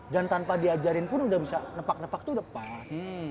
dan tanpa diajarin pun udah bisa nepak nepak tuh udah pas